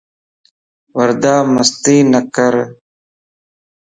وردا مستي نڪر